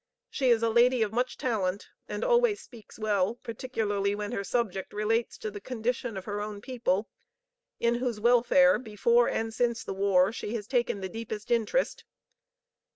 She is a lady of much talent, and always speaks well, particularly when her subject relates to the condition of her own people, in whose welfare, before and since the war, she has taken the deepest interest.